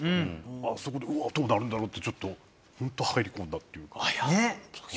あそこでうわっどうなるんだろうってちょっと本当入り込んだっていうか。